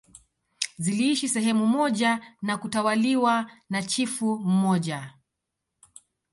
Ziliishi sehemu moja na kutawaliwa na chifu mmoja